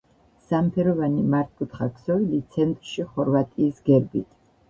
სამფეროვანი მართკუთხა ქსოვილი ცენტრში ხორვატიის გერბით.